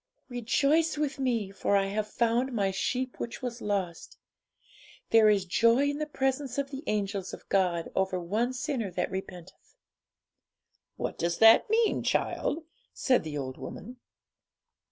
'"Rejoice with Me; for I have found My sheep which was lost. There is joy in the presence of the angels of God over one sinner that repenteth."' 'What does that mean, child?' said the old woman.